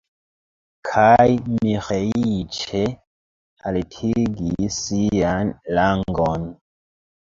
Kaj Miĥeiĉ haltigis sian langon.